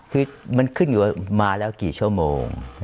คือมันขึ้นอยู่มาแล้วกี่ชั่วโมง